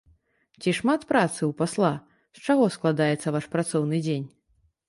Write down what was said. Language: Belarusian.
Ці шмат працы ў пасла, з чаго складаецца ваш працоўны дзень?